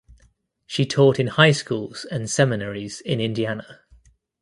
She taught in high schools and seminaries in Indiana.